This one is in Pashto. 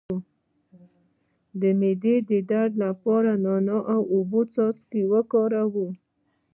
د معدې د درد لپاره د نعناع او اوبو څاڅکي وکاروئ